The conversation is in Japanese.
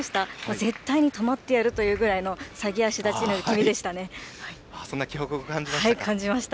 絶対に止まってやるというぐらいのそんな気迫を感じましたか。